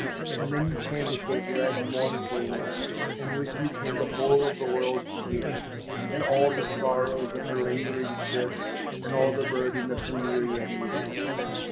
And then you came with those red mournful lips, And with you came the whole of the world's tears, And all the sorrows of her labouring ships, And all the burden of her myriad years.